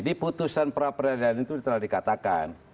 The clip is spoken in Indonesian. di putusan perapradayaan itu telah dikatakan